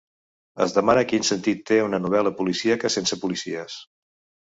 Es demana quin sentit té una novel·la policíaca sense policies.